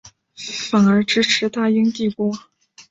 反而支持大英帝国。